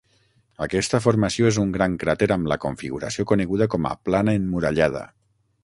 Aquesta formació és un gran cràter amb la configuració coneguda com a plana emmurallada.